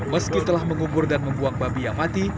meski telah mengubur dan membuang babi yang mati